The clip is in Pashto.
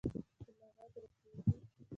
زما ږغ رسیږي.